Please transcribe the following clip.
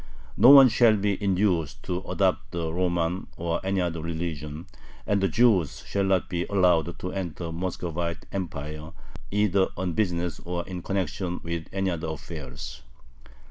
No one shall be induced to adopt the Roman or any other religion, and the Jews shall not be allowed to enter the Muscovite Empire either on business or in connection with any other affairs.